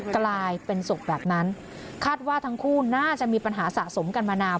กลายเป็นศพแบบนั้นคาดว่าทั้งคู่น่าจะมีปัญหาสะสมกันมานาน